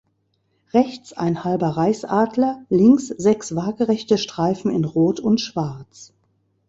Rechts ein halber Reichsadler, links sechs waagerechte Streifen in rot und schwarz.